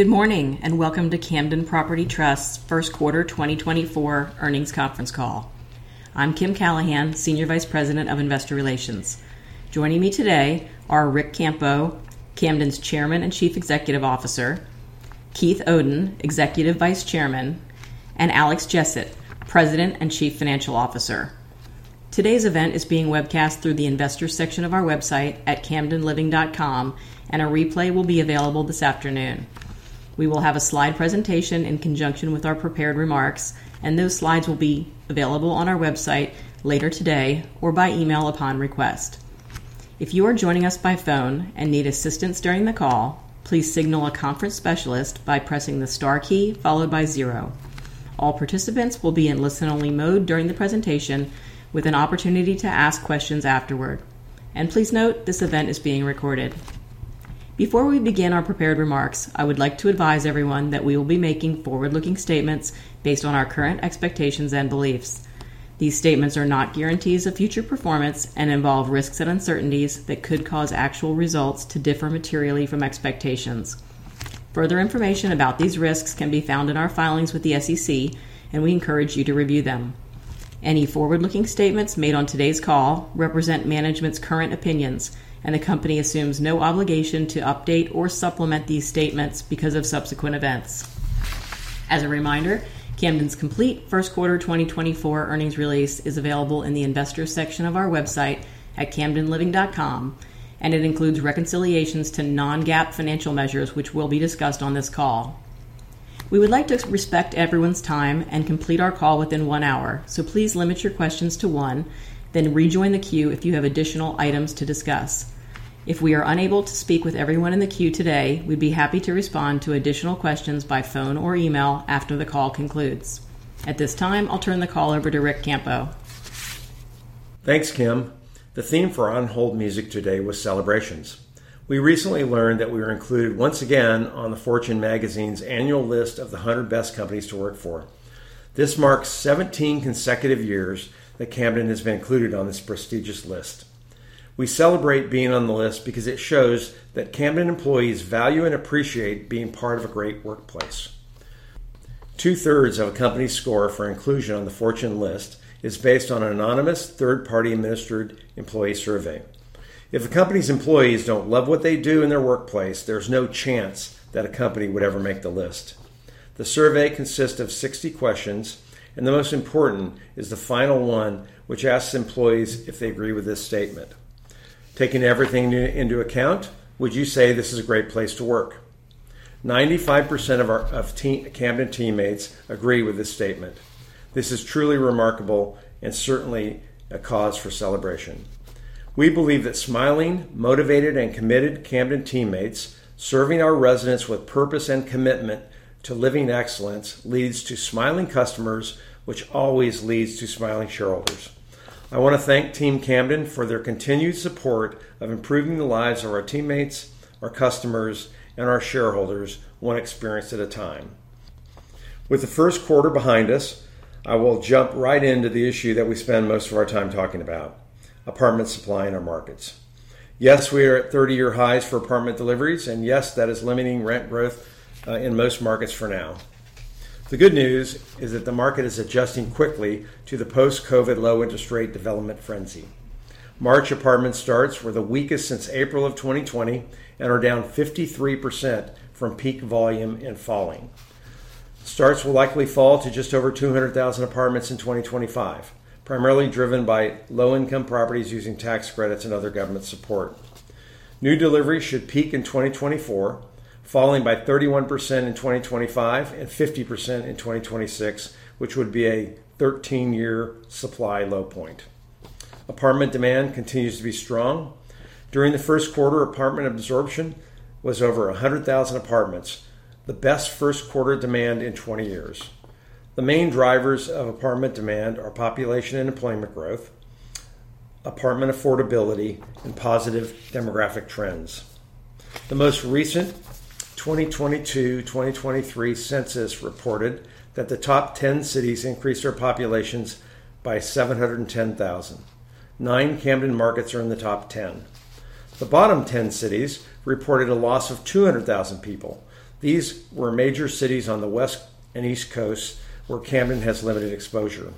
Good morning, and welcome to Camden Property Trust's First Quarter 2024 Earnings Conference Call. I'm Kim Callahan, Senior Vice President of Investor Relations. Joining me today are Ric Campo, Camden's Chairman and Chief Executive Officer, Keith Oden, Executive Vice Chairman, and Alex Jessett, President and Chief Financial Officer. Today's event is being webcast through the Investors section of our website at camdenliving.com, and a replay will be available this afternoon. We will have a slide presentation in conjunction with our prepared remarks, and those slides will be available on our website later today or by email upon request. If you are joining us by phone and need assistance during the call, please signal a conference specialist by pressing the star key followed by zero. All participants will be in listen-only mode during the presentation, with an opportunity to ask questions afterward. Please note, this event is being recorded. Before we begin our prepared remarks, I would like to advise everyone that we will be making forward-looking statements based on our current expectations and beliefs. These statements are not guarantees of future performance and involve risks and uncertainties that could cause actual results to differ materially from expectations. Further information about these risks can be found in our filings with the SEC, and we encourage you to review them. Any forward-looking statements made on today's call represent management's current opinions, and the company assumes no obligation to update or supplement these statements because of subsequent events. As a reminder, Camden's complete first quarter 2024 earnings release is available in the Investors section of our website at camdenliving.com, and it includes reconciliations to non-GAAP financial measures, which will be discussed on this call. We would like to respect everyone's time and complete our call within one hour, so please limit your questions to one, then rejoin the queue if you have additional items to discuss. If we are unable to speak with everyone in the queue today, we'd be happy to respond to additional questions by phone or email after the call concludes. At this time, I'll turn the call over to Ric Campo. Thanks, Kim. The theme for our on-hold music today was celebrations. We recently learned that we were included once again on the Fortune magazine's annual list of the 100 Best Companies to Work For. This marks 17 consecutive years that Camden has been included on this prestigious list. We celebrate being on the list because it shows that Camden employees value and appreciate being part of a great workplace. Two-thirds of a company's score for inclusion on the Fortune list is based on an anonymous, third-party administered employee survey. If a company's employees don't love what they do in their workplace, there's no chance that a company would ever make the list. The survey consists of 60 questions, and the most important is the final one, which asks employees if they agree with this statement: "Taking everything into account, would you say this is a great place to work?" 95% of our Camden teammates agree with this statement. This is truly remarkable and certainly a cause for celebration. We believe that smiling, motivated, and committed Camden teammates serving our residents with purpose and commitment to living excellence leads to smiling customers, which always leads to smiling shareholders. I want to thank Team Camden for their continued support of improving the lives of our teammates, our customers, and our shareholders, one experience at a time. With the first quarter behind us, I will jump right into the issue that we spend most of our time talking about, apartment supply in our markets. Yes, we are at 30-year highs for apartment deliveries, and yes, that is limiting rent growth in most markets for now. The good news is that the market is adjusting quickly to the post-COVID low interest rate development frenzy. March apartment starts were the weakest since April of 2020 and are down 53% from peak volume and falling. Starts will likely fall to just over 200,000 apartments in 2025, primarily driven by low-income properties using tax credits and other government support. New deliveries should peak in 2024, falling by 31% in 2025 and 50% in 2026, which would be a 13-year supply low point. Apartment demand continues to be strong. During the first quarter, apartment absorption was over 100,000 apartments, the best first quarter demand in 20 years. The main drivers of apartment demand are population and employment growth, apartment affordability, and positive demographic trends. The most recent 2022, 2023 census reported that the top 10 cities increased their populations by 710,000. Nine Camden markets are in the top 10. The bottom 10 cities reported a loss of 200,000 people. These were major cities on the West and East Coasts, where Camden has limited exposure.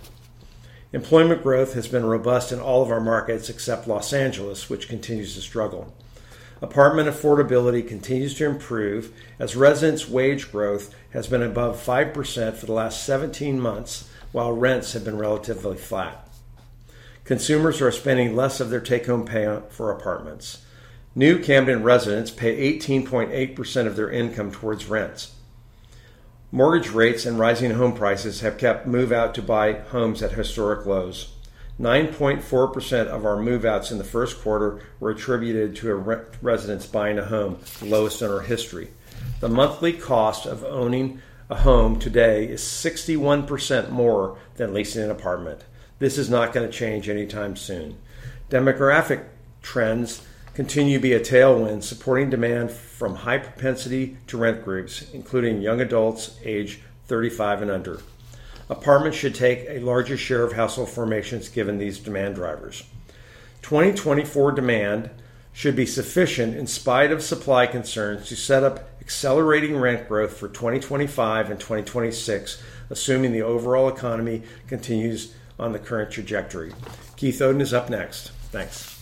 Employment growth has been robust in all of our markets except Los Angeles, which continues to struggle. Apartment affordability continues to improve as residents' wage growth has been above 5% for the last 17 months, while rents have been relatively flat. Consumers are spending less of their take-home pay on for apartments. New Camden residents pay 18.8% of their income toward rents. Mortgage rates and rising home prices have kept move-out to buy homes at historic lows. 9.4% of our move-outs in the first quarter were attributed to residents buying a home, the lowest in our history. The monthly cost of owning a home today is 61% more than leasing an apartment. This is not gonna change anytime soon. Demographic trends continue to be a tailwind, supporting demand from high propensity to rent groups, including young adults age 35 and under. Apartments should take a larger share of household formations given these demand drivers. 2024 demand should be sufficient, in spite of supply concerns, to set up accelerating rent growth for 2025 and 2026, assuming the overall economy continues on the current trajectory. Keith Oden is up next. Thanks.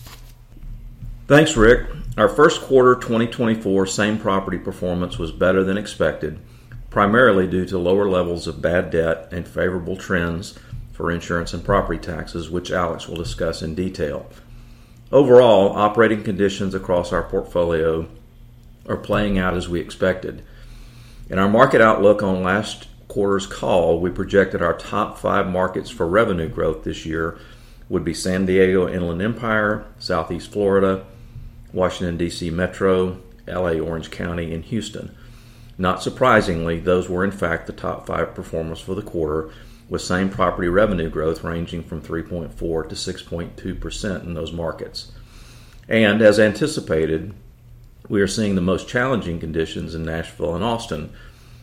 Thanks, Ric. Our first quarter 2024 same-property performance was better than expected, primarily due to lower levels of bad debt and favorable trends for insurance and property taxes, which Alex will discuss in detail. Overall, operating conditions across our portfolio are playing out as we expected. In our market outlook on last quarter's call, we projected our top five markets for revenue growth this year would be San Diego, Inland Empire, Southeast Florida, Washington, D.C. Metro, L.A. Orange County, and Houston. Not surprisingly, those were, in fact, the top five performers for the quarter, with same-property revenue growth ranging from 3.4%-6.2% in those markets. As anticipated, we are seeing the most challenging conditions in Nashville and Austin,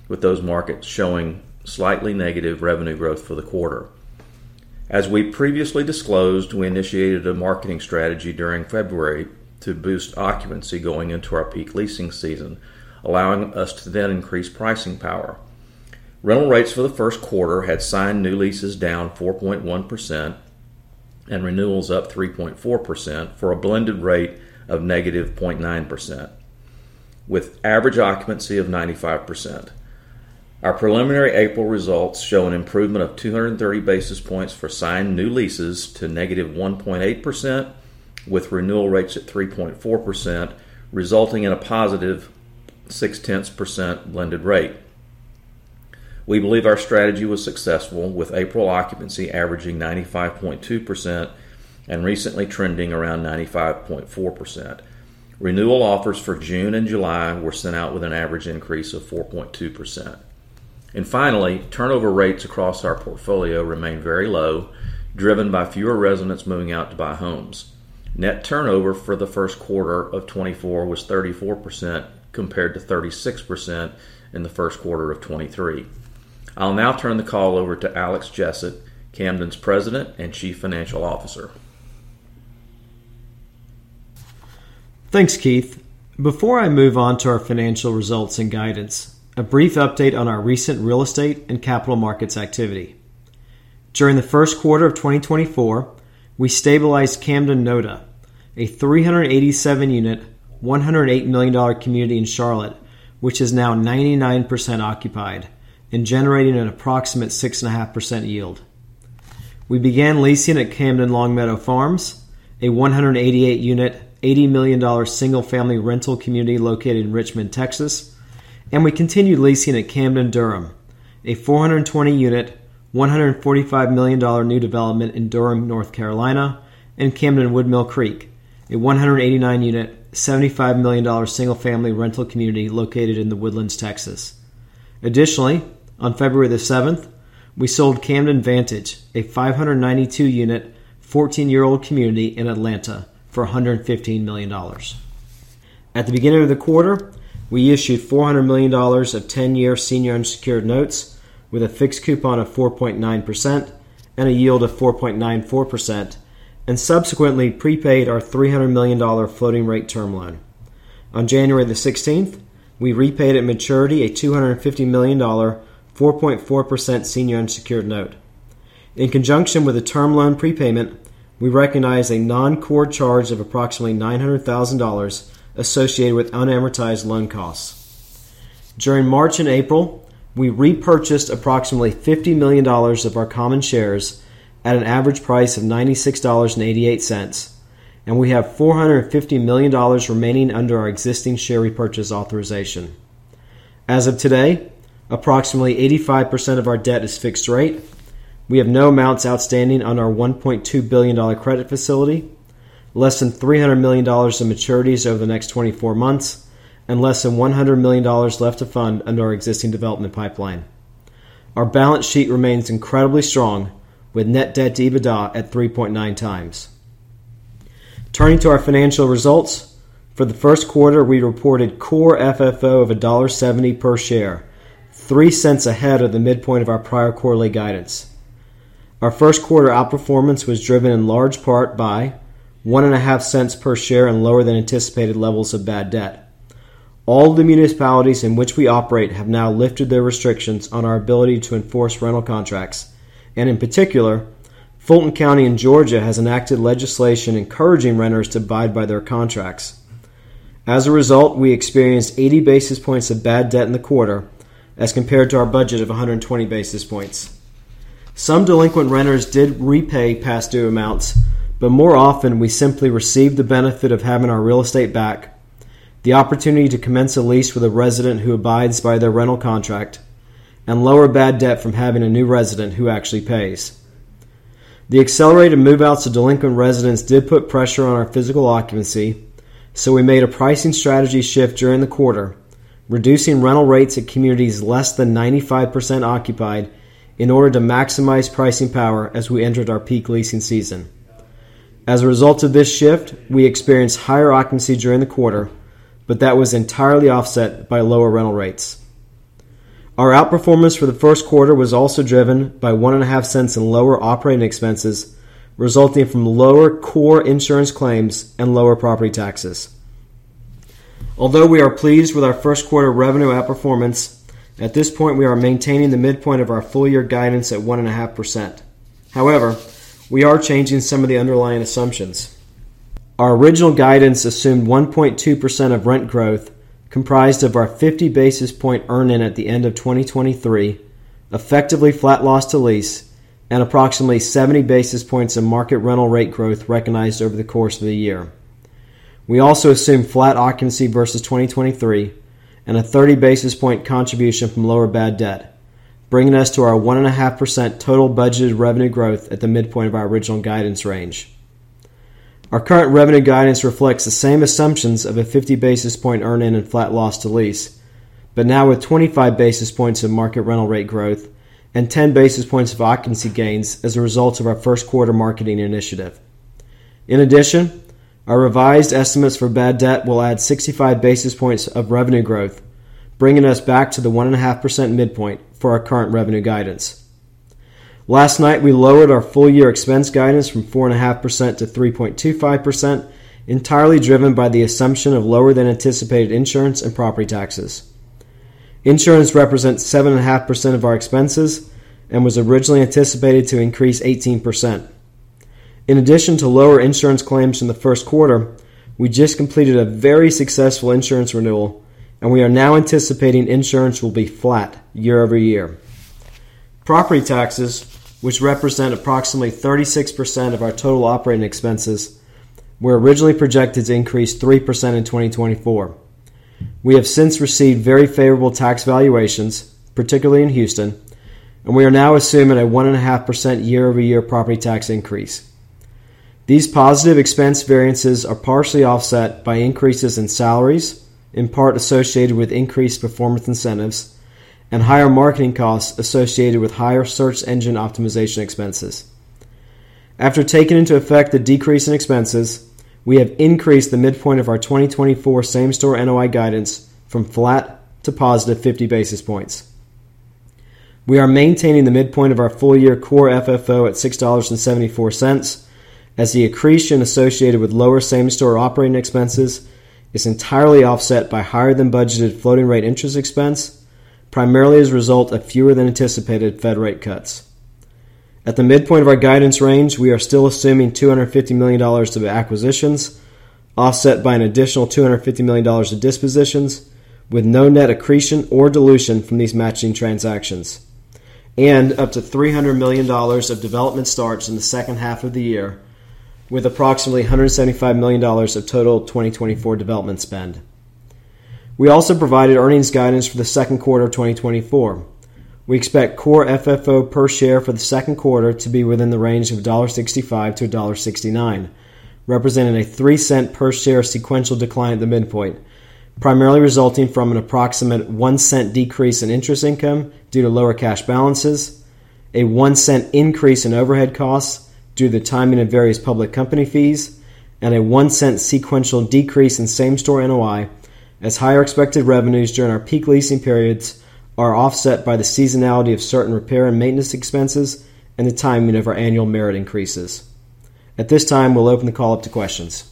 with those markets showing slightly negative revenue growth for the quarter. As we previously disclosed, we initiated a marketing strategy during February to boost occupancy going into our peak leasing season, allowing us to then increase pricing power. Rental rates for the first quarter had signed new leases down 4.1% and renewals up 3.4%, for a blended rate of -0.9%, with average occupancy of 95%. Our preliminary April results show an improvement of 230 basis points for signed new leases to -1.8%, with renewal rates at 3.4%, resulting in a +0.6% blended rate. We believe our strategy was successful, with April occupancy averaging 95.2% and recently trending around 95.4%. Renewal offers for June and July were sent out with an average increase of 4.2%. And finally, turnover rates across our portfolio remain very low, driven by fewer residents moving out to buy homes. Net turnover for the first quarter of 2024 was 34%, compared to 36% in the first quarter of 2023. I'll now turn the call over to Alex Jessett, Camden's President and Chief Financial Officer. Thanks, Keith. Before I move on to our financial results and guidance, a brief update on our recent real estate and capital markets activity. During the first quarter of 2024, we stabilized Camden NoDa, a 387-unit, $108 million community in Charlotte, which is now 99% occupied and generating an approximate 6.5% yield. We began leasing at Camden Long Meadow Farms, a 188-unit, $80 million single-family rental community located in Richmond, Texas. We continued leasing at Camden Durham, a 420-unit, $145 million new development in Durham, North Carolina, and Camden Woodmill Creek, a 189-unit, $75 million single-family rental community located in The Woodlands, Texas. Additionally, on February 7, we sold Camden Vantage, a 592-unit, 14-year-old community in Atlanta for $115 million. At the beginning of the quarter, we issued $400 million of 10-year senior unsecured notes with a fixed coupon of 4.9% and a yield of 4.94%, and subsequently prepaid our $300 million floating rate term loan. On January 16, we repaid at maturity a $250 million, 4.4% senior unsecured note. In conjunction with the term loan prepayment, we recognized a non-core charge of approximately $900,000 associated with unamortized loan costs. During March and April, we repurchased approximately $50 million of our common shares at an average price of $96.88, and we have $450 million remaining under our existing share repurchase authorization. As of today, approximately 85% of our debt is fixed rate. We have no amounts outstanding on our $1.2 billion credit facility, less than $300 million in maturities over the next 24 months, and less than $100 million left to fund under our existing development pipeline. Our balance sheet remains incredibly strong, with net debt to EBITDA at 3.9 times. Turning to our financial results, for the first quarter, we reported Core FFO of $1.70 per share, $0.03 ahead of the midpoint of our prior quarterly guidance. Our first quarter outperformance was driven in large part by $0.015 per share and lower than anticipated levels of bad debt. All the municipalities in which we operate have now lifted their restrictions on our ability to enforce rental contracts, and in particular, Fulton County in Georgia has enacted legislation encouraging renters to abide by their contracts. As a result, we experienced 80 basis points of bad debt in the quarter as compared to our budget of 120 basis points. Some delinquent renters did repay past due amounts, but more often we simply received the benefit of having our real estate back, the opportunity to commence a lease with a resident who abides by their rental contract, and lower bad debt from having a new resident who actually pays. The accelerated move-outs of delinquent residents did put pressure on our physical occupancy, so we made a pricing strategy shift during the quarter, reducing rental rates at communities less than 95% occupied in order to maximize pricing power as we entered our peak leasing season. As a result of this shift, we experienced higher occupancy during the quarter, but that was entirely offset by lower rental rates. Our outperformance for the first quarter was also driven by $0.015 in lower operating expenses, resulting from lower core insurance claims and lower property taxes. Although we are pleased with our first quarter revenue outperformance, at this point, we are maintaining the midpoint of our full-year guidance at 1.5%. However, we are changing some of the underlying assumptions. Our original guidance assumed 1.2% of rent growth, comprised of our 50 basis point earn-in at the end of 2023, effectively flat loss to lease, and approximately 70 basis points of market rental rate growth recognized over the course of the year. We also assumed flat occupancy versus 2023 and a 30 basis point contribution from lower bad debt, bringing us to our 1.5% total budgeted revenue growth at the midpoint of our original guidance range. Our current revenue guidance reflects the same assumptions of a 50 basis point earn-in and flat loss to lease, but now with 25 basis points of market rental rate growth and 10 basis points of occupancy gains as a result of our first quarter marketing initiative. In addition, our revised estimates for bad debt will add 65 basis points of revenue growth, bringing us back to the 1.5% midpoint for our current revenue guidance. Last night, we lowered our full-year expense guidance from 4.5%-3.25%, entirely driven by the assumption of lower than anticipated insurance and property taxes. Insurance represents 7.5% of our expenses and was originally anticipated to increase 18%. In addition to lower insurance claims in the first quarter, we just completed a very successful insurance renewal, and we are now anticipating insurance will be flat year over year. Property taxes, which represent approximately 36% of our total operating expenses, were originally projected to increase 3% in 2024. We have since received very favorable tax valuations, particularly in Houston, and we are now assuming a 1.5% year-over-year property tax increase. These positive expense variances are partially offset by increases in salaries, in part associated with increased performance incentives and higher marketing costs associated with higher search engine optimization expenses. After taking into effect the decrease in expenses, we have increased the midpoint of our 2024 same-store NOI guidance from flat to positive 50 basis points. We are maintaining the midpoint of our full-year Core FFO at $6.74, as the accretion associated with lower same-store operating expenses is entirely offset by higher-than-budgeted floating rate interest expense, primarily as a result of fewer than anticipated Fed rate cuts. At the midpoint of our guidance range, we are still assuming $250 million of acquisitions, offset by an additional $250 million of dispositions, with no net accretion or dilution from these matching transactions, and up to $300 million of development starts in the second half of the year, with approximately $175 million of total 2024 development spend. We also provided earnings guidance for the second quarter of 2024. We expect Core FFO per share for the second quarter to be within the range of $1.65-$1.69, representing a 3-cent per share sequential decline at the midpoint, primarily resulting from an approximate 1-cent decrease in interest income due to lower cash balances, a 1-cent increase in overhead costs due to the timing of various public company fees, and a 1-cent sequential decrease in same-store NOI, as higher expected revenues during our peak leasing periods are offset by the seasonality of certain repair and maintenance expenses and the timing of our annual merit increases. At this time, we'll open the call up to questions.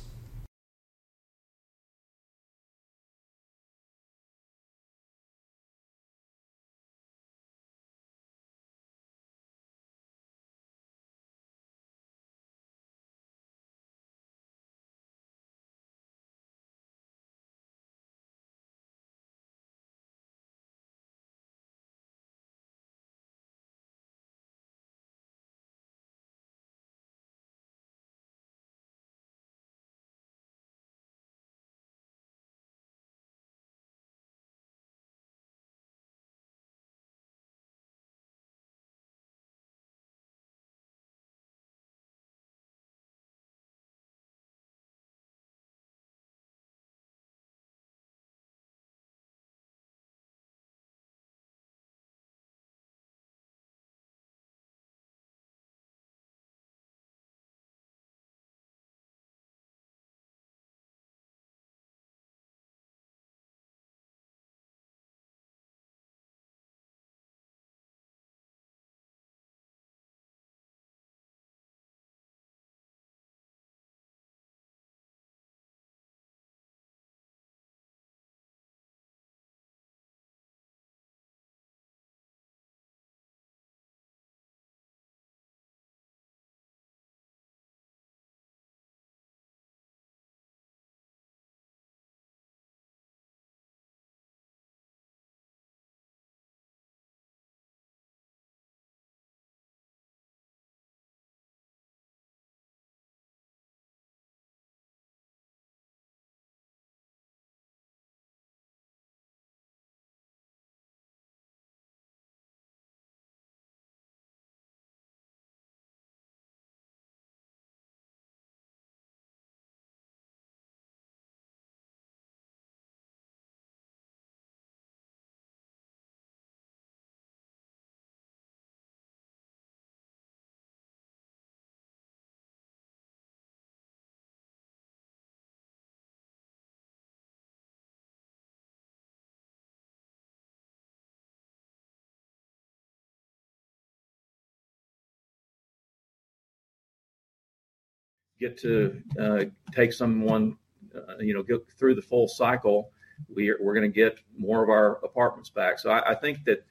Get to take someone, you know, go through the full cycle, we're gonna get more of our apartments back. So I think that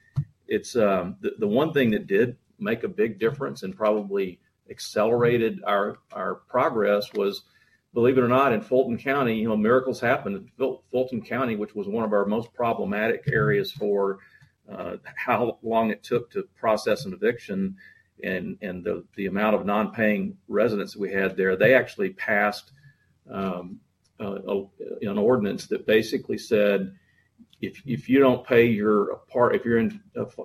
it's the one thing that did make a big difference and probably accelerated our progress was, believe it or not, in Fulton County, you know, miracles happen. In Fulton County, which was one of our most problematic areas for how long it took to process an eviction and the amount of non-paying residents we had there, they actually passed an ordinance that basically said, if you don't pay your apart. If you're in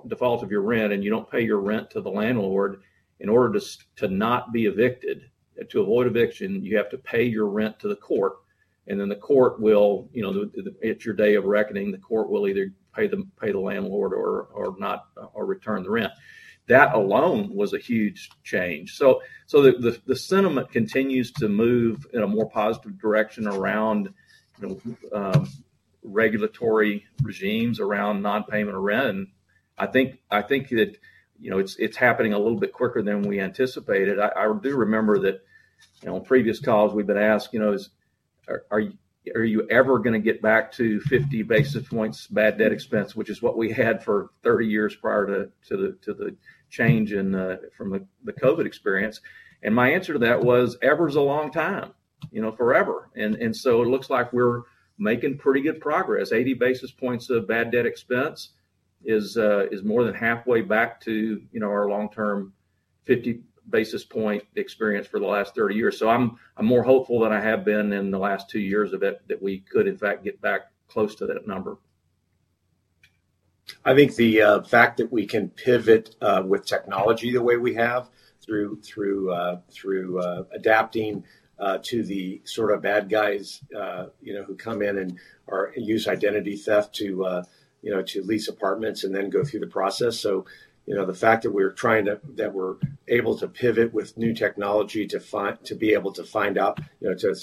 default of your rent, and you don't pay your rent to the landlord, in order to not be evicted, to avoid eviction, you have to pay your rent to the court, and then the court will, you know, it's your day of reckoning, the court will either pay the landlord or not, or return the rent. That alone was a huge change. So the sentiment continues to move in a more positive direction around, you know, regulatory regimes, around non-payment of rent. And I think that, you know, it's happening a little bit quicker than we anticipated. I do remember that, you know, on previous calls, we've been asked, you know, are you ever gonna get back to 50 basis points bad debt expense, which is what we had for 30 years prior to the change from the COVID experience? And my answer to that was, "Ever's a long time, you know, forever." And so it looks like we're making pretty good progress. 80 basis points of bad debt expense is more than halfway back to, you know, our long-term 50 basis point experience for the last 30 years. So I'm more hopeful than I have been in the last two years of it, that we could, in fact, get back close to that number. I think the fact that we can pivot with technology the way we have through adapting to the sort of bad guys, you know, who come in and or use identity theft to, you know, to lease apartments and then go through the process. So, you know, the fact that we're able to pivot with new technology to be able to find out, you know, to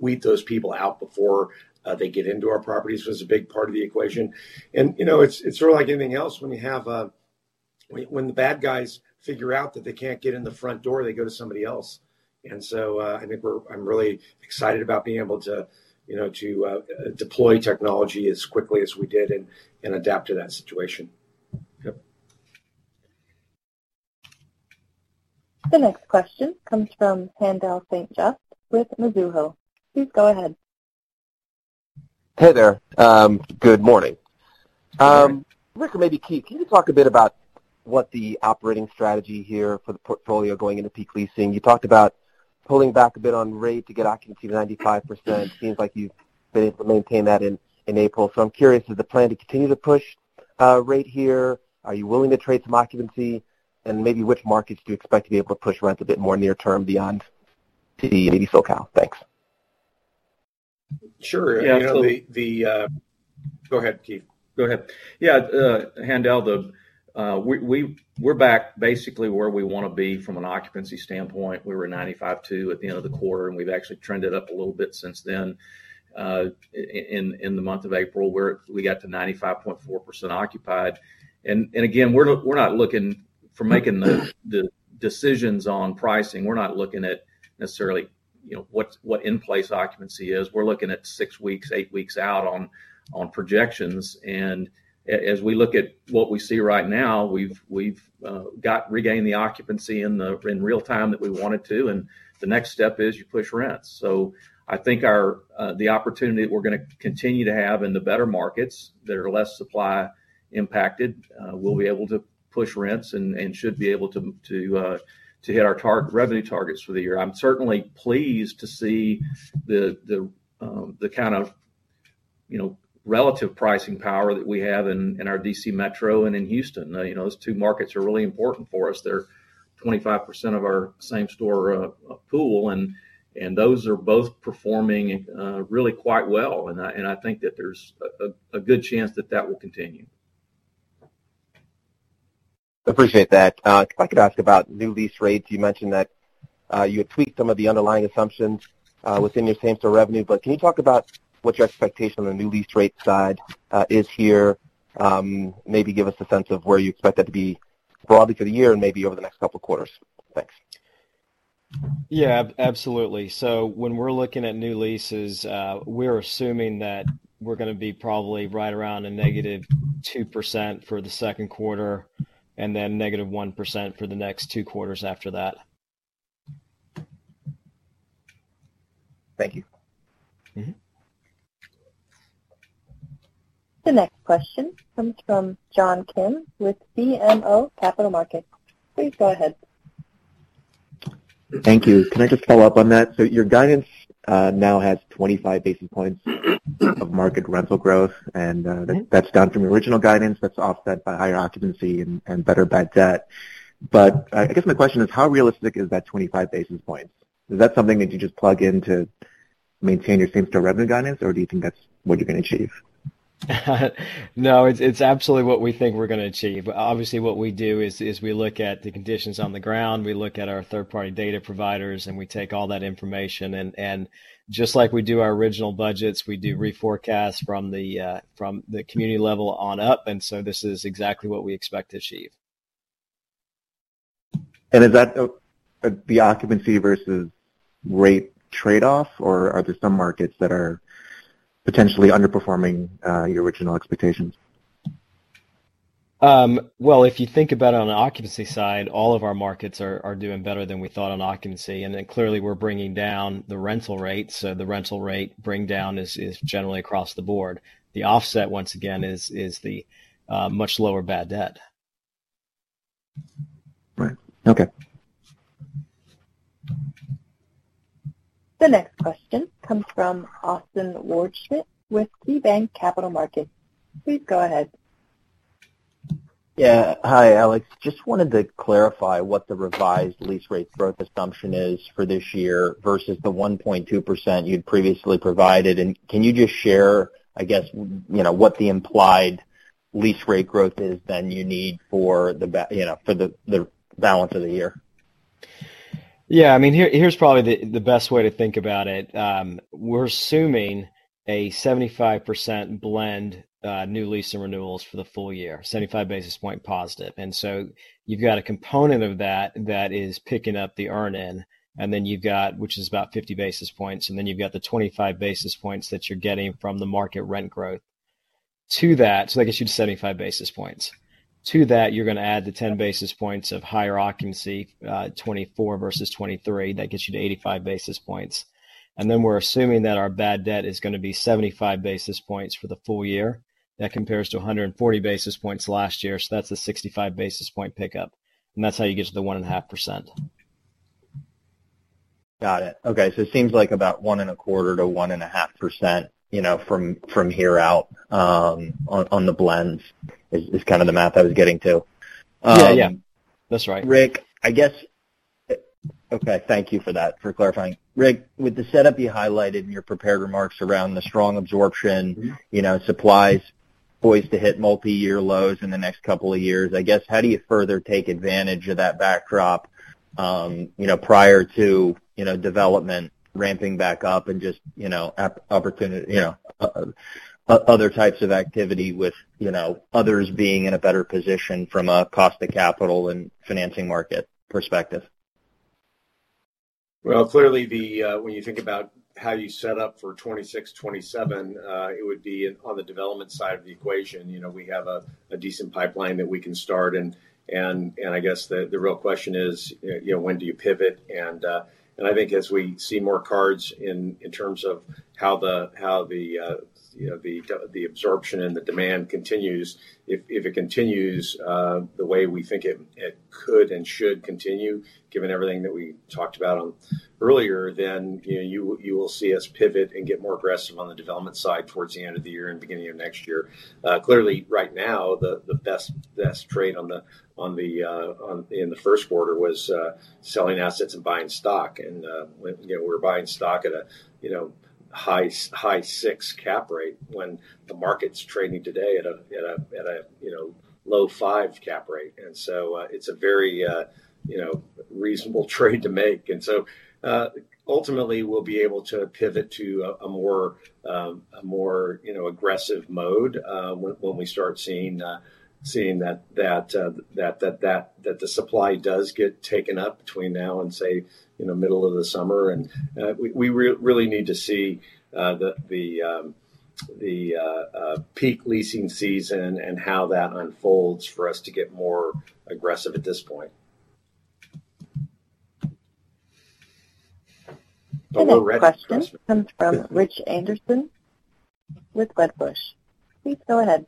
weed those people out before they get into our properties was a big part of the equation. And, you know, it's sort of like anything else, when the bad guys figure out that they can't get in the front door, they go to somebody else. So, I think I'm really excited about being able to, you know, deploy technology as quickly as we did and adapt to that situation. Yep. The next question comes from Haendel St. Juste with Mizuho. Please go ahead. Hey there. Good morning. Good morning. Ric or maybe Keith, can you talk a bit about what the operating strategy here for the portfolio going into peak leasing? You talked about pulling back a bit on rate to get occupancy to 95%. Seems like you've been able to maintain that in April. So I'm curious, is the plan to continue to push rate here? Are you willing to trade some occupancy? And maybe which markets do you expect to be able to push rents a bit more near term beyond the SoCal? Thanks. Sure. Yeah, so- You know, the... Go ahead, Keith. Go ahead. Yeah, Haendel, we, we're back basically where we want to be from an occupancy standpoint. We were at 95.2 at the end of the quarter, and we've actually trended up a little bit since then, in the month of April, where we got to 95.4% occupied. And again, we're not looking for making the decisions on pricing. We're not looking at necessarily, you know, what in-place occupancy is. We're looking at six weeks, eight weeks out on projections. And as we look at what we see right now, we've got, regained the occupancy in real time that we wanted to, and the next step is you push rents. So I think our the opportunity that we're gonna continue to have in the better markets that are less supply impacted, we'll be able to push rents and should be able to to hit our target revenue targets for the year. I'm certainly pleased to see the kind of, you know, relative pricing power that we have in our D.C. metro and in Houston. You know, those two markets are really important for us. They're 25% of our same-store pool, and those are both performing really quite well. And I think that there's a good chance that will continue. Appreciate that. If I could ask about new lease rates. You mentioned that, you had tweaked some of the underlying assumptions within your same-store revenue, but can you talk about what your expectation on the new lease rate side is here? Maybe give us a sense of where you expect that to be broadly for the year and maybe over the next couple of quarters. Thanks. Yeah, absolutely. So when we're looking at new leases, we're assuming that we're gonna be probably right around -2% for the second quarter, and then -1% for the next two quarters after that. Thank you. Mm-hmm. The next question comes from John Kim with BMO Capital Markets. Please go ahead. Thank you. Can I just follow up on that? So your guidance, now has 25 basis points of market rental growth, and that's down from your original guidance. That's offset by higher occupancy and, and better bad debt. But I, I guess my question is: How realistic is that 25 basis points? Is that something that you just plug in to maintain your same-store revenue guidance, or do you think that's what you're gonna achieve? No, it's absolutely what we think we're gonna achieve. Obviously, what we do is we look at the conditions on the ground, we look at our third-party data providers, and we take all that information, and just like we do our original budgets, we do reforecast from the community level on up, and so this is exactly what we expect to achieve. Is that the occupancy versus rate trade-off, or are there some markets that are potentially underperforming your original expectations? Well, if you think about it, on the occupancy side, all of our markets are doing better than we thought on occupancy. And then, clearly, we're bringing down the rental rate, so the rental rate bring down is generally across the board. The offset, once again, is the much lower bad debt. Right. Okay. The next question comes from Austin Wurschmidt with KeyBanc Capital Markets. Please go ahead. Yeah. Hi, Alex. Just wanted to clarify what the revised lease rate growth assumption is for this year versus the 1.2% you'd previously provided, and can you just share, I guess, you know, what the implied lease rate growth is that you need for the balance of the year? Yeah. I mean, here, here's probably the best way to think about it. We're assuming a 75% blend, new lease and renewals for the full year, 75 basis point positive. And so you've got a component of that that is picking up the earn-in, and then you've got, which is about 50 basis points, and then you've got the 25 basis points that you're getting from the market rent growth. To that, so that gets you to 75 basis points. To that, you're gonna add the 10 basis points of higher occupancy, 2024 versus 2023. That gets you to 85 basis points. And then we're assuming that our bad debt is gonna be 75 basis points for the full year. That compares to 140 basis points last year, so that's a 65 basis point pickup, and that's how you get to the 1.5%. Got it. Okay. So it seems like about 1.25%-1.5%, you know, from here out, on the blends, is kind of the math I was getting to. Yeah. Yeah, that's right. Ric, I guess. Okay, thank you for that, for clarifying. Ric, with the setup you highlighted in your prepared remarks around the strong absorption. You know, supplies poised to hit multiyear lows in the next couple of years, I guess, how do you further take advantage of that backdrop, you know, prior to, you know, development ramping back up and just, you know, opportunity, you know, other types of activity with, you know, others being in a better position from a cost of capital and financing market perspective? Well, clearly, when you think about how you set up for 2026, 2027, it would be on the development side of the equation. You know, we have a decent pipeline that we can start, and I guess the real question is, you know, when do you pivot? And I think as we see more cards in terms of how the, how the, you know, the absorption and the demand continues, if it continues the way we think it could and should continue, given everything that we talked about earlier, then, you know, you will see us pivot and get more aggressive on the development side towards the end of the year and beginning of next year. Clearly, right now, the best trade in the first quarter was selling assets and buying stock. And, you know, we're buying stock at a, you know, high six cap rate when the market's trading today at a low five cap rate. And so, it's a very, you know, reasonable trade to make. And so, ultimately, we'll be able to pivot to a more, you know, aggressive mode, when we start seeing that the supply does get taken up between now and, say, you know, middle of the summer. We really need to see the peak leasing season and ow that unfolds for us to get more aggressive at this point. The next question comes from Rich Anderson with Wedbush. Please go ahead.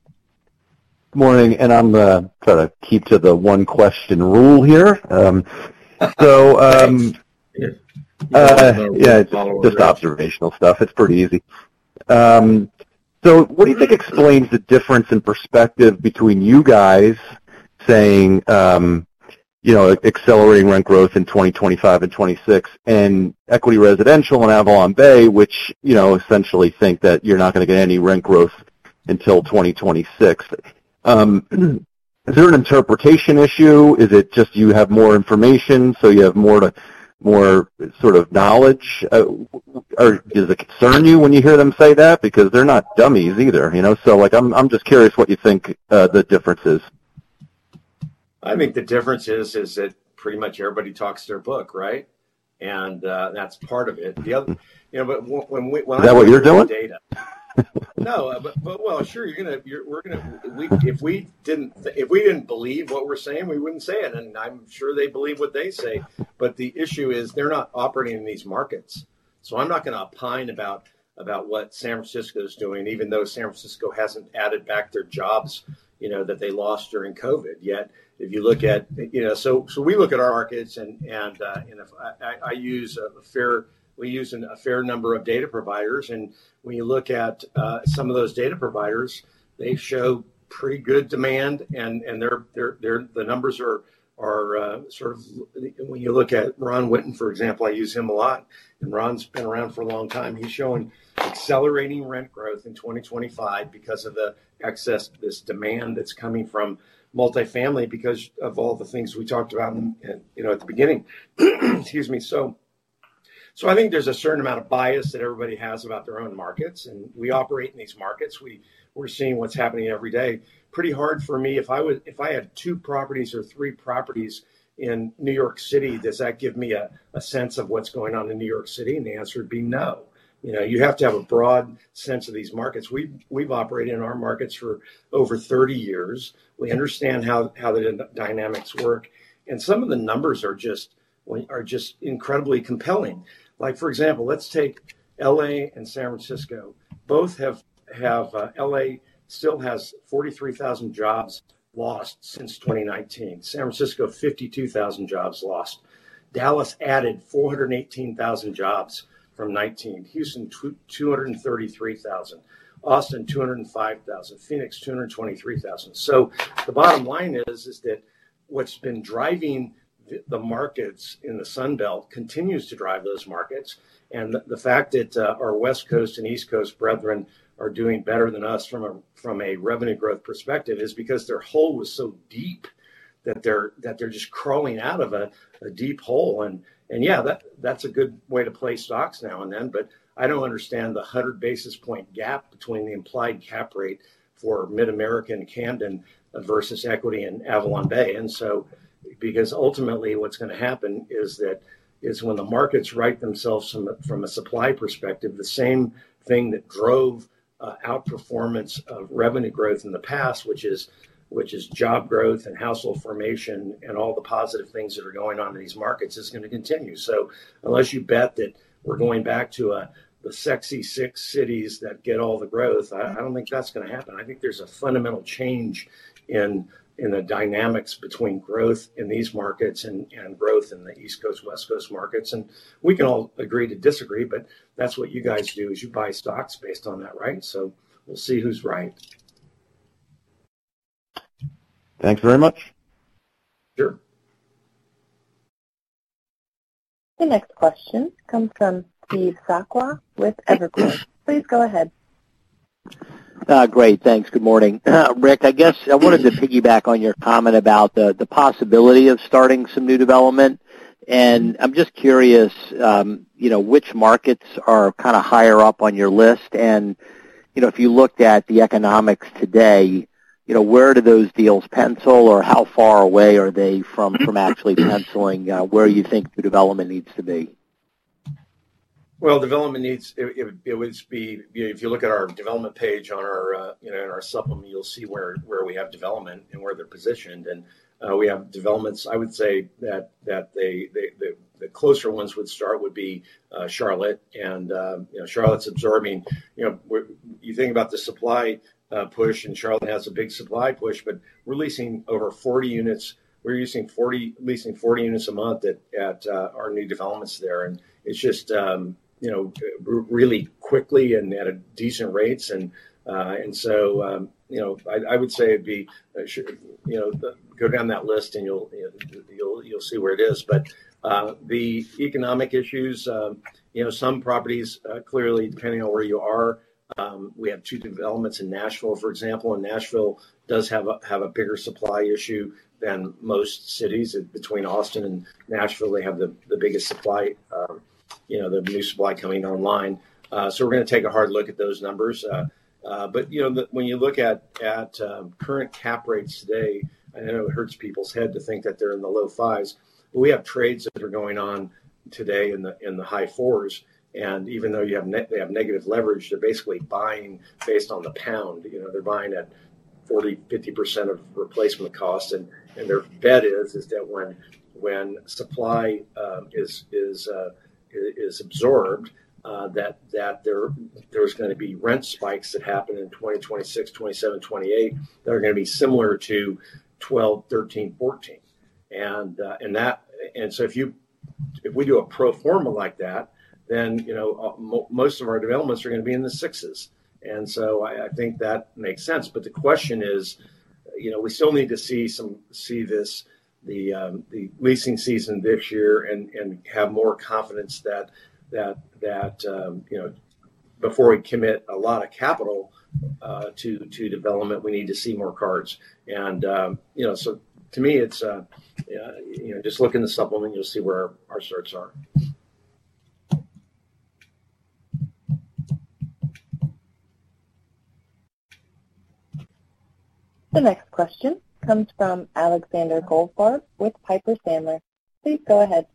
Good morning, and I'm gonna keep to the one-question rule here. Thanks. Yeah, just observational stuff. It's pretty easy. So what do you think explains the difference in perspective between you guys saying, you know, accelerating rent growth in 2025 and 2026, and Equity Residential and AvalonBay, which, you know, essentially think that you're not gonna get any rent growth until 2026? Is there an interpretation issue? Is it just you have more information, so you have more to, more sort of knowledge? Or does it concern you when you hear them say that? Because they're not dummies either, you know, so, like, I'm just curious what you think the difference is. I think the difference is, is that pretty much everybody talks their book, right? And, that's part of it. The other. You know, but when we- Is that what you're doing? No, but well, sure. You're gonna, you're-- we're gonna-- we-- if we didn't believe what we're saying, we wouldn't say it, and I'm sure they believe what they say, but the issue is they're not operating in these markets. So I'm not gonna opine about what San Francisco is doing, even though San Francisco hasn't added back their jobs, you know, that they lost during COVID yet. If you look at, you know, so we look at our markets and, and if I use a fair-- we use a fair number of data providers, and when you look at some of those data providers, they show pretty good demand, and they're the numbers are sort of, when you look at Ron Witten, for example, I use him a lot, and Ron's been around for a long time. He's showing accelerating rent growth in 2025 because of the excess, this demand that's coming from multifamily, because of all the things we talked about, you know, at the beginning. Excuse me. So I think there's a certain amount of bias that everybody has about their own markets, and we operate in these markets. We're seeing what's happening every day. Pretty hard for me, if I had two properties or three properties in New York City, does that give me a sense of what's going on in New York City? And the answer would be no. You know, you have to have a broad sense of these markets. We've operated in our markets for over 30 years. We understand how the dynamics work, and some of the numbers are just incredibly compelling. Like, for example, let's take L.A. and San Francisco. Both have L.A. still has 43,000 jobs lost since 2019; San Francisco, 52,000 jobs lost. Dallas added 418,000 jobs from 2019. Houston, 233,000. Austin, 205,000. Phoenix, 223,000. So the bottom line is that what's been driving the markets in the Sun Belt continues to drive those markets, and the fact that our West Coast and East Coast brethren are doing better than us from a revenue growth perspective is because their hole was so deep that they're just crawling out of a deep hole. And, yeah, that's a good way to play stocks now and then, but I don't understand the 100 basis point gap between the implied cap rate for Mid-America and Camden versus Equity and AvalonBay. And so, because ultimately, what's gonna happen is that when the markets right themselves from a supply perspective, the same thing that drove outperformance of revenue growth in the past, which is job growth and household formation and all the positive things that are going on in these markets, is gonna continue. So unless you bet that we're going back to the Sexy Six cities that get all the growth, I don't think that's gonna happen. I think there's a fundamental change in the dynamics between growth in these markets and growth in the East Coast, West Coast markets. And we can all agree to disagree, but that's what you guys do, is you buy stocks based on that, right? So we'll see who's right. Thanks very much. Sure. The next question comes from Steve Sakwa with Evercore. Please go ahead. Great. Thanks. Good morning. Ric, I guess I wanted to piggyback on your comment about the possibility of starting some new development, and I'm just curious, you know, which markets are kind of higher up on your list? And, you know, if you looked at the economics today, you know, where do those deals pencil, or how far away are they from actually penciling, where you think the development needs to be? Well, development needs. It would be, if you look at our development page on our, you know, on our supplement, you'll see where we have development and where they're positioned. And we have developments, I would say, that the closer ones would start would be Charlotte. And you know, Charlotte's absorbing, you know. You think about the supply push, and Charlotte has a big supply push, but we're leasing over 40 units. We're leasing 40 units a month at our new developments there, and it's just, you know, really quickly and at decent rates. And so, you know, I would say it'd be, sure, you know, go down that list, and you'll see where it is. But the economic issues, you know, some properties clearly, depending on where you are, we have two developments in Nashville, for example, and Nashville does have a bigger supply issue than most cities. Between Austin and Nashville, they have the biggest supply, you know, the new supply coming online. So we're gonna take a hard look at those numbers. But you know, when you look at current cap rates today, I know it hurts people's head to think that they're in the low fives, but we have trades that are going on today in the high fours, and even though they have negative leverage, they're basically buying based on the pound. You know, they're buying at 40%-50% of replacement cost, and their bet is that when supply is absorbed, that there's gonna be rent spikes that happen in 2026, 2027, 2028 that are gonna be similar to 2012, 2013, 2014. And so if we do a pro forma like that, then, you know, most of our developments are gonna be in the sixes, and so I think that makes sense. But the question is, you know, we still need to see this, the leasing season this year and have more confidence that, you know, before we commit a lot of capital to development, we need to see more cards. You know, so to me, it's you know, just look in the supplement. You'll see where our starts are. The next question comes from Alexander Goldfarb with Piper Sandler. Please go ahead.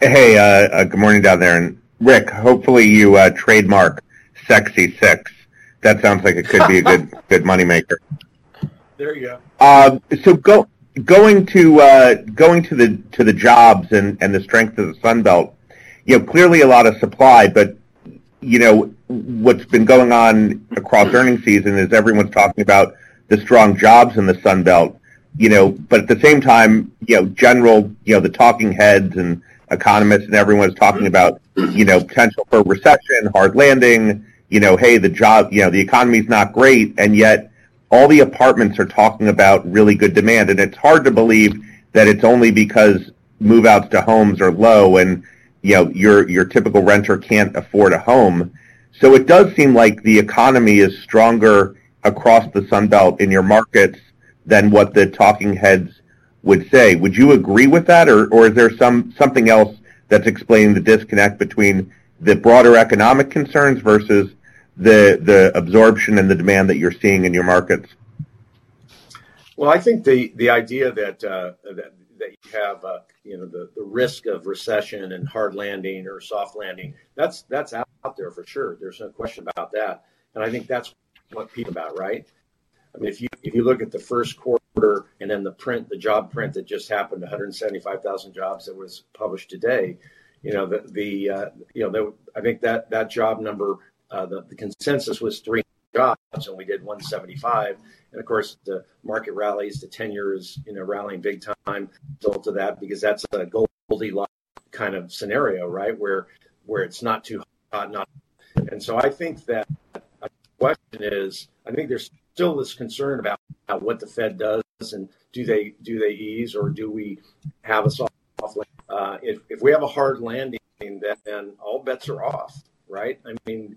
Hey, good morning down there. And, Ric, hopefully you trademark Sexy Six. That sounds like it could be a good, good moneymaker. There you go. So going to the jobs and the strength of the Sun Belt, you know, clearly a lot of supply, but, you know, what's been going on across earnings season is everyone's talking about the strong jobs in the Sun Belt. You know, but at the same time, you know, general, you know, the talking heads and economists and everyone is talking about, you know, potential for a recession, hard landing, you know, hey, the job, you know, the economy is not great, and yet all the apartments are talking about really good demand. And it's hard to believe that it's only because move-outs to homes are low, and, you know, your typical renter can't afford a home. So it does seem like the economy is stronger across the Sun Belt in your markets than what the talking heads would say. Would you agree with that, or is there something else that's explaining the disconnect between the broader economic concerns versus the absorption and the demand that you're seeing in your markets? Well, I think the idea that you have, you know, the risk of recession and hard landing or soft landing, that's out there for sure. There's no question about that. I think that's what people about, right? I mean, if you look at the first quarter and then the print, the job print that just happened, 175,000 jobs that was published today, you know, the... I think that job number, the consensus was three jobs, and we did 175. Of course, the market rallies, the 10-years, you know, rallying big time built to that because that's a Goldilocks kind of scenario, right? Where it's not too hot, not. And so I think that the question is, I think there's still this concern about what the Fed does and do they ease or do we have a soft land? If we have a hard landing, then all bets are off, right? I mean,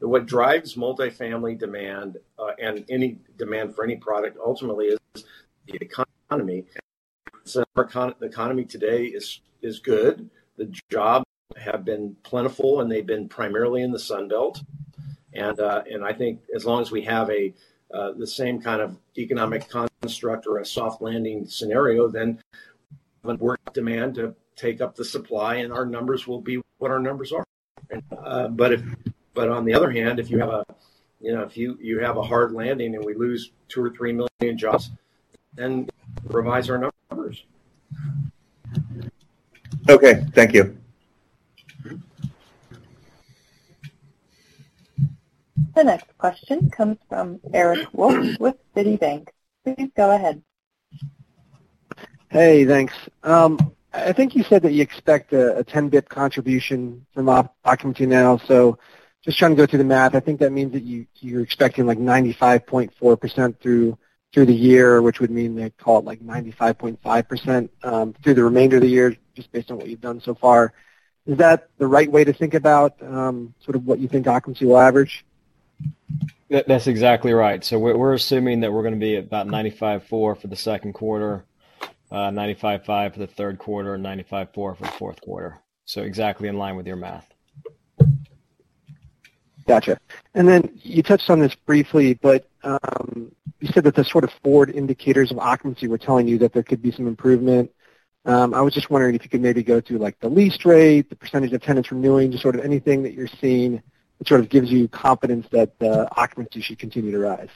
what drives multifamily demand, and any demand for any product ultimately is the economy. So our economy today is good. The jobs have been plentiful, and they've been primarily in the Sun Belt. And I think as long as we have the same kind of economic construct or a soft landing scenario, then we have demand to take up the supply, and our numbers will be what our numbers are. But on the other hand, if you have a hard landing and we lose two or three million jobs, then revise our numbers. Okay. Thank you. The next question comes from Eric Wolfe with Citibank. Please go ahead. Hey, thanks. I think you said that you expect a 10 bp contribution from occupancy now, so just trying to go through the math, I think that means that you're expecting, like, 95.4% through the year, which would mean they'd call it, like, 95.5% through the remainder of the year, just based on what you've done so far. Is that the right way to think about sort of what you think occupancy will average? That's exactly right. So we're, we're assuming that we're gonna be at about 95.4% for the second quarter, 95.5% for the third quarter, and 95.4% for the fourth quarter. So exactly in line with your math. Gotcha. And then you touched on this briefly, but you said that the sort of forward indicators of occupancy were telling you that there could be some improvement. I was just wondering if you could maybe go through, like, the lease rate, the percentage of tenants renewing, just sort of anything that you're seeing that sort of gives you confidence that the occupancy should continue to rise.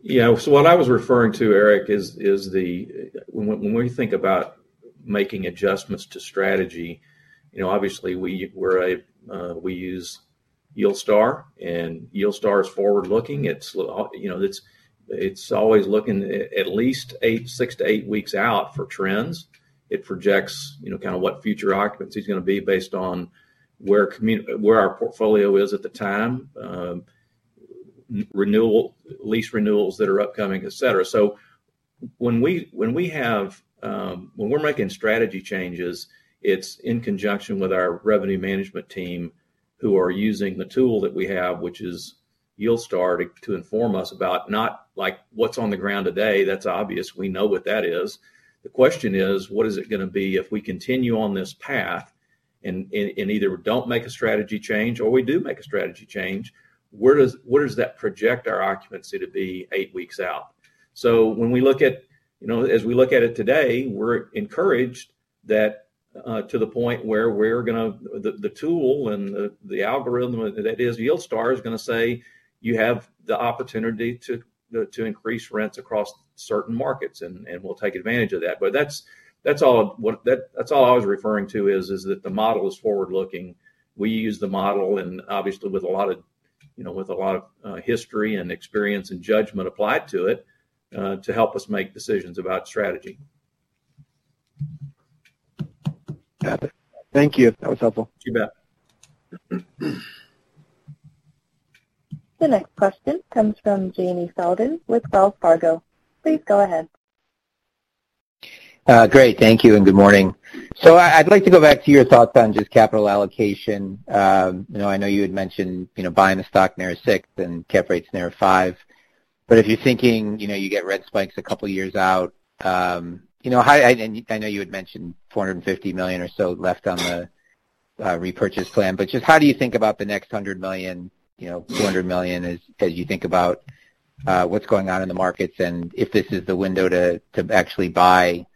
Yeah, so what I was referring to, Eric, is the, when we think about making adjustments to strategy, you know, obviously, we're a, we use YieldStar, and YieldStar is forward-looking. It's, you know, it's always looking at 6-8 weeks out for trends. It projects, you know, kind of what future occupancy is gonna be based on where our portfolio is at the time, renewal lease renewals that are upcoming, et cetera. So when we have, when we're making strategy changes, it's in conjunction with our revenue management team, who are using the tool that we have, which is YieldStar, to inform us about, not like what's on the ground today, that's obvious. We know what that is. The question is: what is it gonna be if we continue on this path and either don't make a strategy change or we do make a strategy change, where does that project our occupancy to be eight weeks out? So when we look at, you know, as we look at it today, we're encouraged that to the point where we're gonna. The tool and the algorithm that is YieldStar is gonna say, "You have the opportunity to increase rents across certain markets," and we'll take advantage of that. But that's all I was referring to, is that the model is forward-looking. We use the model and obviously with a lot of, you know, history and experience and judgment applied to it to help us make decisions about strategy. Got it. Thank you. That was helpful. You bet. The next question comes from Jamie Feldman with Wells Fargo. Please go ahead. Great. Thank you, and good morning. So I, I'd like to go back to your thoughts on just capital allocation. You know, I know you had mentioned, you know, buying the stock near six and cap rates near five, but if you're thinking, you know, you get rent spikes a couple of years out, you know, how., and I know you had mentioned $450 million or so left on the repurchase plan, but just how do you think about the next $100 million, you know, $200 million, as, as you think about what's going on in the markets and if this is the window to, to actually buy,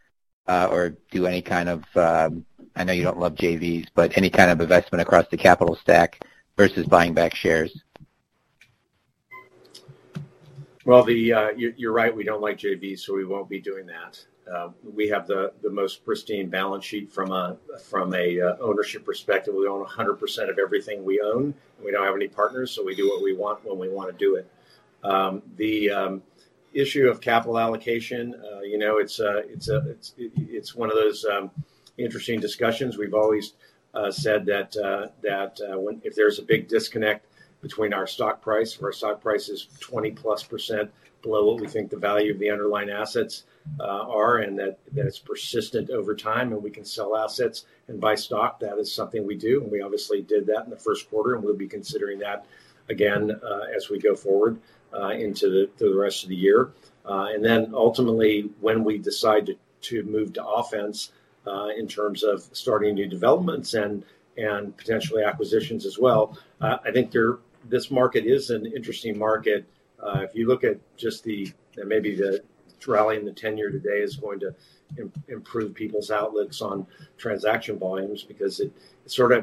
or do any kind of, I know you don't love JVs, but any kind of investment across the capital stack versus buying back shares? Well, you're right, we don't like JVs, so we won't be doing that. We have the most pristine balance sheet from a ownership perspective. We own 100% of everything we own, and we don't have any partners, so we do what we want when we wanna do it. The issue of capital allocation, you know, it's one of those interesting discussions. We've always said that when—if there's a big disconnect between our stock price, if our stock price is 20%+ below what we think the value of the underlying assets are, and that it's persistent over time, and we can sell assets and buy stock, that is something we do, and we obviously did that in the first quarter, and we'll be considering that again as we go forward into through the rest of the year. And then ultimately, when we decide to move to offense in terms of starting new developments and potentially acquisitions as well, I think there. This market is an interesting market. If you look at just the, maybe the rally in the 10-year today is going to improve people's outlooks on transaction volumes, because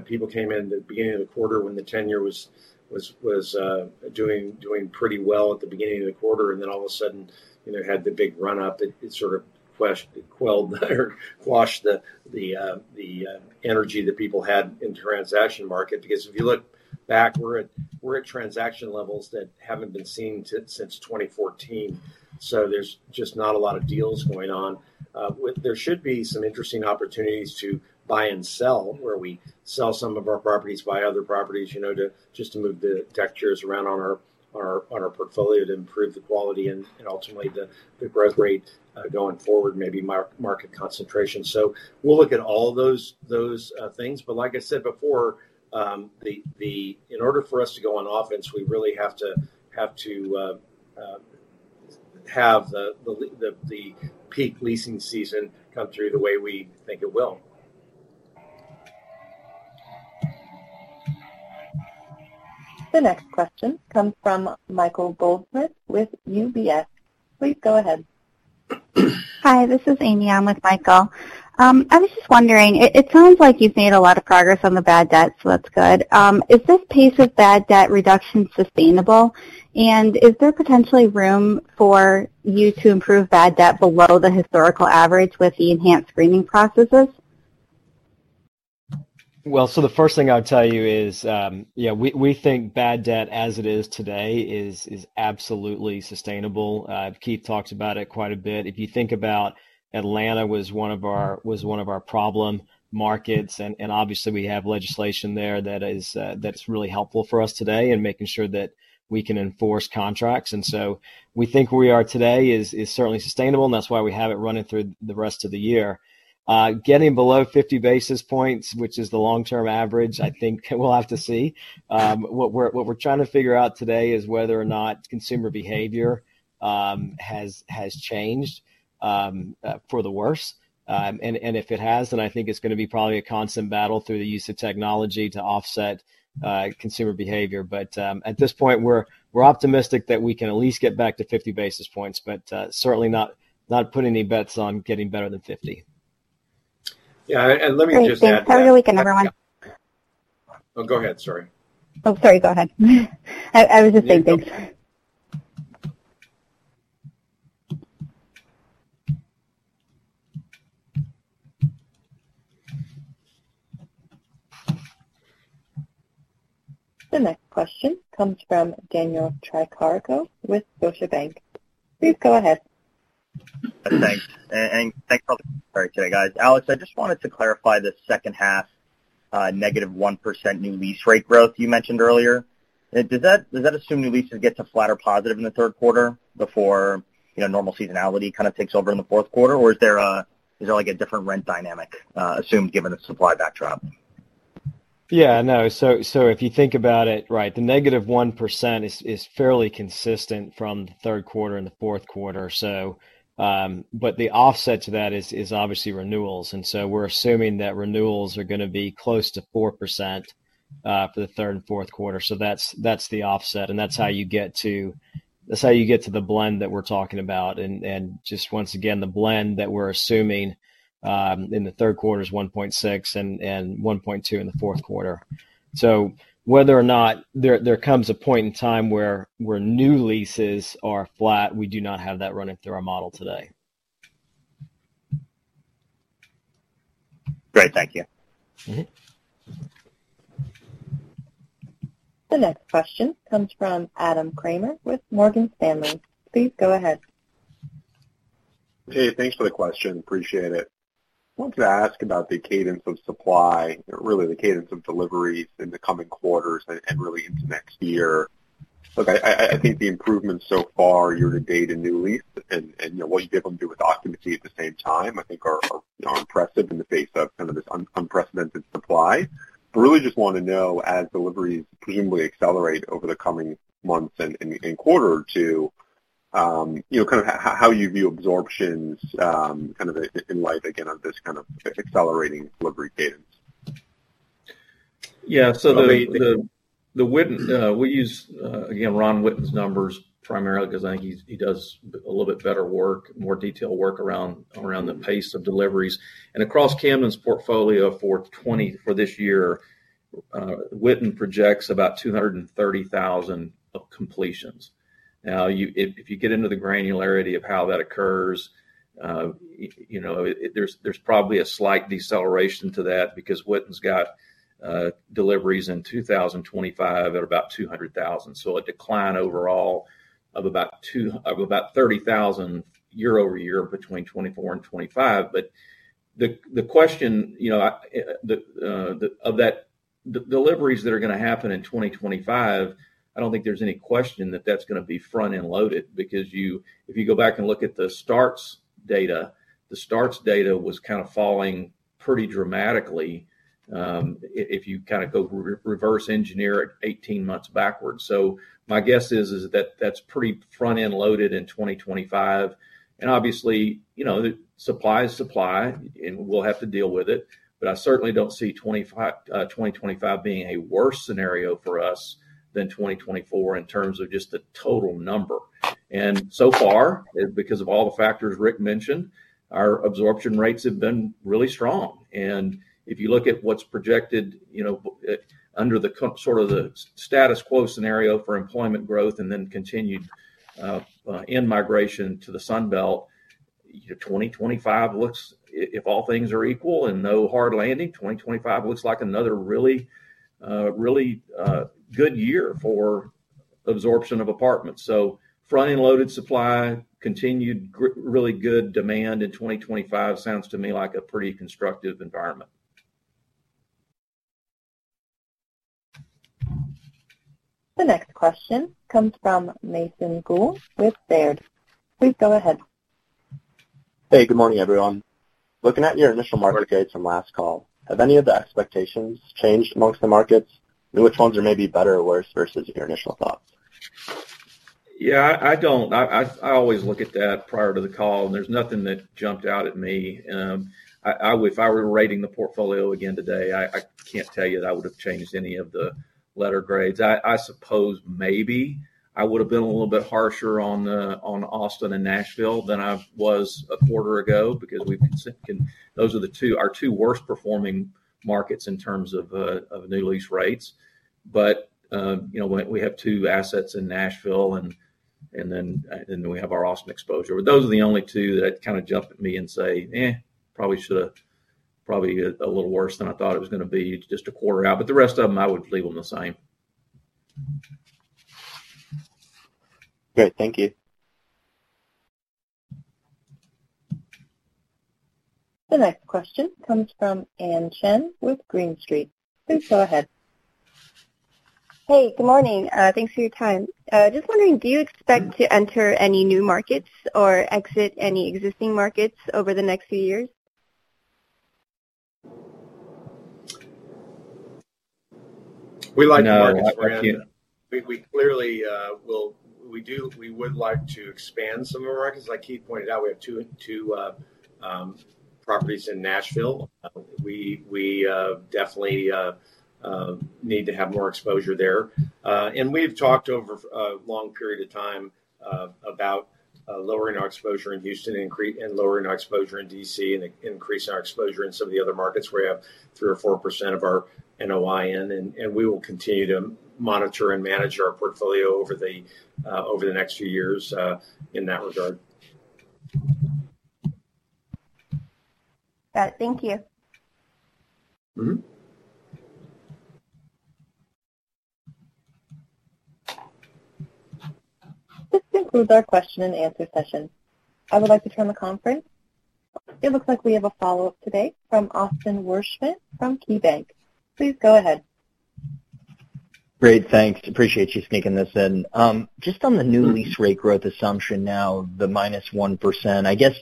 people came in the beginning of the quarter when the 10-year was doing pretty well at the beginning of the quarter, and then all of a sudden, you know, had the big run-up. It sort of quashed or quelled the energy that people had in the transaction market. Because if you look back, we're at transaction levels that haven't been seen since 2014, so there's just not a lot of deals going on. But there should be some interesting opportunities to buy and sell, where we sell some of our properties, buy other properties, you know, to just move the textures around on our portfolio to improve the quality and ultimately the growth rate going forward, maybe market concentration. So we'll look at all those things. But like I said before, the in order for us to go on offense, we really have to have the peak leasing season come through the way we think it will. The next question comes from Michael Goldsmith with UBS. Please go ahead. Hi, this is Amy. I'm with Michael. I was just wondering: it sounds like you've made a lot of progress on the bad debt, so that's good. Is this pace of bad debt reduction sustainable? And is there potentially room for you to improve bad debt below the historical average with the enhanced screening processes? Well, so the first thing I would tell you is, yeah, we, we think bad debt, as it is today, is, is absolutely sustainable. Keith talks about it quite a bit. If you think about Atlanta was one of our, was one of our problem markets, and, and obviously, we have legislation there that is, that's really helpful for us today in making sure that we can enforce contracts. And so we think where we are today is, is certainly sustainable, and that's why we have it running through the rest of the year. Getting below 50 basis points, which is the long-term average, I think we'll have to see. What we're, what we're trying to figure out today is whether or not consumer behavior, has, has changed, for the worse. And if it has, then I think it's gonna be probably a constant battle through the use of technology to offset consumer behavior. But at this point, we're optimistic that we can at least get back to 50 basis points, but certainly not putting any bets on getting better than 50. Yeah, and let me just add- Thanks. Have a good weekend, everyone. Oh, go ahead. Sorry. Oh, sorry, go ahead. I was just thinking. Yeah. Okay. The next question comes from Daniel Tricarico with Scotiabank. Please go ahead. Thanks. Thanks for the opportunity today, guys. Alex, I just wanted to clarify the second half negative 1% new lease rate growth you mentioned earlier. Does that assume new leases get to flat or positive in the third quarter before, you know, normal seasonality kind of takes over in the fourth quarter, or is there, like, a different rent dynamic assumed, given the supply backdrop? Yeah. No. So if you think about it, right, the -1% is fairly consistent from the third quarter and the fourth quarter. So but the offset to that is obviously renewals, and so we're assuming that renewals are gonna be close to 4% for the third and fourth quarter. So that's the offset, and that's how you get to. That's how you get to the blend that we're talking about. And just once again, the blend that we're assuming in the third quarter is 1.6, and 1.2 in the fourth quarter. So whether or not there comes a point in time where new leases are flat, we do not have that running through our model today. Great. Thank you. Mm-hmm. The next question comes from Adam Kramer with Morgan Stanley. Please go ahead. Hey, thanks for the question. Appreciate it. Wanted to ask about the cadence of supply, really the cadence of deliveries in the coming quarters and really into next year. Look, I think the improvements so far year to date in new lease and you know, what you get them to do with occupancy at the same time, I think are you know, impressive in the face of kind of this unprecedented supply. But really just want to know, as deliveries presumably accelerate over the coming months and quarter two, you know, kind of how you view absorptions, kind of in light again, of this kind of accelerating delivery cadence. Yeah. So the Witten, we use, again, Ron Witten's numbers primarily because I think he does a little bit better work, more detailed work around the pace of deliveries. And across Camden's portfolio for '24, for this year, Witten projects about 230,000 of completions. Now, if you get into the granularity of how that occurs, you know, there's probably a slight deceleration to that because Witten's got deliveries in 2025 at about 200,000. So a decline overall of about thirty thousand year-over-year between 2024 and 2025. But the question, you know, I, the of that. The deliveries that are gonna happen in 2025, I don't think there's any question that that's gonna be front-end loaded, because if you go back and look at the starts data, the starts data was kind of falling pretty dramatically if you kind of go reverse engineer it 18 months backwards. So my guess is that that's pretty front-end loaded in 2025. And obviously, you know, supply is supply, and we'll have to deal with it, but I certainly don't see 2025, 2025 being a worse scenario for us than 2024 in terms of just the total number. And so far, because of all the factors Ric mentioned, our absorption rates have been really strong. If you look at what's projected, you know, under the sort of the status quo scenario for employment growth and then continued in-migration to the Sun Belt, 2025 looks, if all things are equal and no hard landing, 2025 looks like another really, really good year for absorption of apartments. So front-end loaded supply, continued really good demand in 2025 sounds to me like a pretty constructive environment. The next question comes from Mason Gould with Baird. Please go ahead. Hey, good morning, everyone. Looking at your initial market grades from last call, have any of the expectations changed among the markets? And which ones are maybe better or worse versus your initial thoughts? Yeah, I don't. I always look at that prior to the call, and there's nothing that jumped out at me. If I were rating the portfolio again today, I can't tell you that I would have changed any of the letter grades. I suppose maybe I would have been a little bit harsher on Austin and Nashville than I was a quarter ago, because those are the two, our two worst performing markets in terms of new lease rates. But you know, we have two assets in Nashville, and then we have our Austin exposure. But those are the only two that kind of jump at me and say, "Eh, probably should have-- probably a little worse than I thought it was gonna be, just a quarter out." But the rest of them, I would leave them the same. Great. Thank you. The next question comes from Ann Chan with Green Street. Please go ahead. Hey, good morning. Thanks for your time. Just wondering, do you expect to enter any new markets or exit any existing markets over the next few years? We like the markets, Ann. We clearly would like to expand some of the markets. Like Keith pointed out, we have two properties in Nashville. We definitely need to have more exposure there. And we've talked over a long period of time about lowering our exposure in Houston and lowering our exposure in D.C., and increasing our exposure in some of the other markets where we have 3% or 4% of our NOI in. And we will continue to monitor and manage our portfolio over the next few years in that regard. Got it. Thank you. Mm-hmm. This concludes our question and answer session. I would like to turn the conference. It looks like we have a follow-up today from Austin Wurschmidt from KeyBanc. Please go ahead. Great, thanks. Appreciate you sneaking this in. Just on the new lease rate growth assumption now, the -1%, I guess,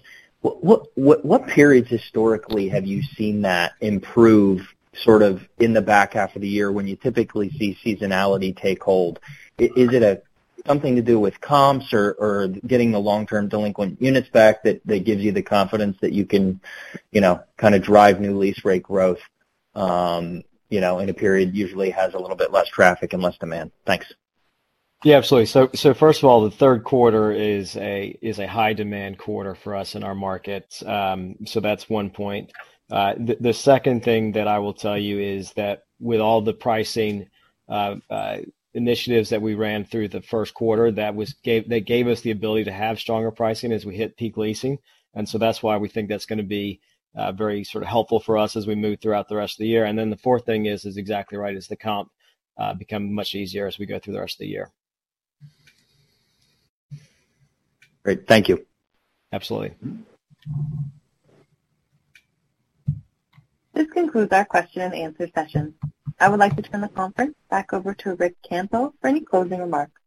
what periods historically have you seen that improve, sort of in the back half of the year when you typically see seasonality take hold? Is it a something to do with comps or getting the long-term delinquent units back that gives you the confidence that you can, you know, kind of drive new lease rate growth, you know, in a period usually has a little bit less traffic and less demand? Thanks. Yeah, absolutely. So first of all, the third quarter is a high demand quarter for us in our markets. So that's one point. The second thing that I will tell you is that with all the pricing initiatives that we ran through the first quarter, they gave us the ability to have stronger pricing as we hit peak leasing. And so that's why we think that's gonna be very sort of helpful for us as we move throughout the rest of the year. And then the fourth thing is exactly right, is the comp become much easier as we go through the rest of the year. Great. Thank you. Absolutely. This concludes our question and answer session. I would like to turn the conference back over to Ric Campo for any closing remarks.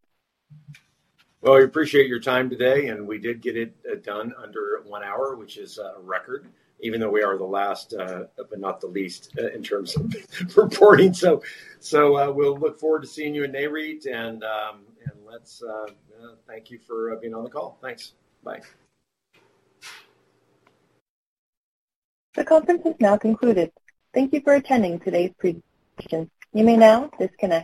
Well, we appreciate your time today, and we did get it done under one hour, which is a record, even though we are the last but not the least in terms of reporting. So, we'll look forward to seeing you at Nareit, and let's thank you for being on the call. Thanks. Bye. The conference is now concluded. Thank you for attending today's presentation. You may now disconnect.